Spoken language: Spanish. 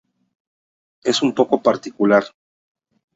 Es un poco particular.